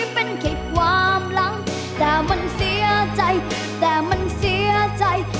เป็นคลิปความหลังแต่มันเสียใจแต่มันเสียใจ